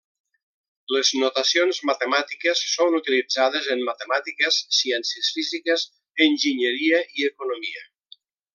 Les notacions matemàtiques són utilitzades en matemàtiques, ciències físiques, enginyeria i economia.